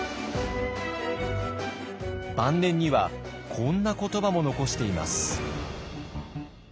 晩年にはこんな言葉も残しています。